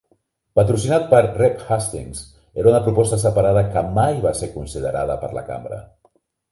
patrocinat per Rep. Hastings era una proposta separada que mai va ser considerada per la cambra.